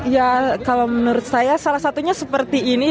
ya kalau menurut saya salah satunya seperti ini